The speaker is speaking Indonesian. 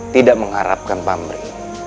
tidak mengharapkan pamri